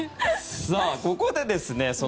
さあ、ここでですね